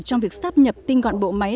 trong việc sắp nhập tin gọn bộ máy